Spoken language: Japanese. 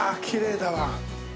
きれいだわ。